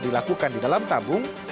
dilakukan di dalam tabung